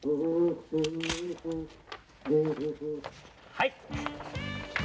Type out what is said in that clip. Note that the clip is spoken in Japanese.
はい。